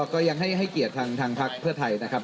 ก็ยังให้เกียรติทางพักเพื่อไทยนะครับ